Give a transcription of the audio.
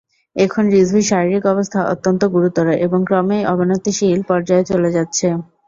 এখন রিজভীর শারীরিক অবস্থা অত্যন্ত গুরুতর এবং ক্রমেই অবনতিশীল পর্যায়ে চলে যাচ্ছে।